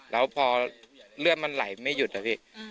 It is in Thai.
แล้วพอเลือดมันไหลไม่หยุดอะพี่